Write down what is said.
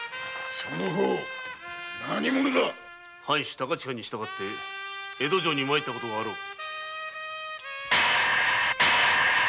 その方何者だ藩主・貴親に従って江戸城に参ったことがあろう。